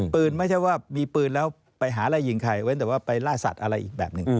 ไม่ใช่ว่ามีปืนแล้วไปหาไล่ยิงใครเว้นแต่ว่าไปล่าสัตว์อะไรอีกแบบหนึ่ง